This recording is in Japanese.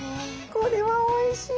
これはおいしい。